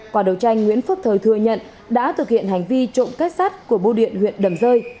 qua đầu tranh nguyễn phước thời thừa nhận đã thực hiện hành vi trộm cách sát của bô điện huyện đầm rơi